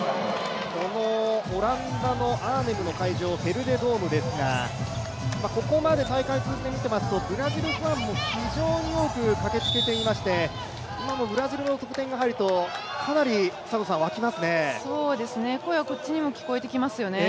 オランダのアーネムの会場、ヘルレドームですが、ここまで大会通じて見てますとブラジルファンも非常に多く駆けつけていまして今もブラジルの得点が入るとかなり沸きますね。